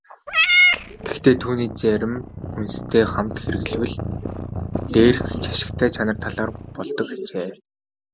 Гэхдээ түүнийг зарим хүнстэй хамт хэрэглэвэл дээрх ашигтай чанар талаар болдог ажээ.